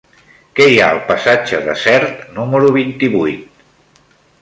Què hi ha al passatge de Sert número vint-i-vuit?